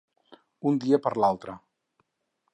Un dia part altre.